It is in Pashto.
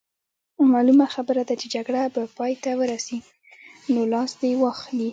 معلومه خبره ده چې جګړه به پای ته ورسي، نو لاس دې واخلي.